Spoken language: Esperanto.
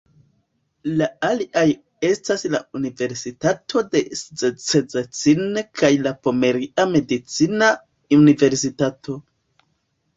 La aliaj estas la Universitato de Szczecin kaj la Pomeria Medicina Universitato.